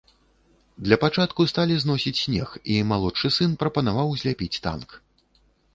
Для пачатку сталі зносіць снег, і малодшы сын прапанаваў зляпіць танк.